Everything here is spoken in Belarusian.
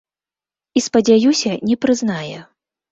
І, спадзяюся, не прызнае.